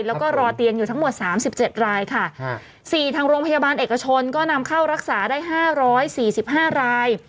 แล้วก็รอเตียงอยู่ทั้งหมด๓๗รายค่ะ๔ทางโรงพยาบาลเอกชนก็นำเข้ารักษาได้๕๔๕ราย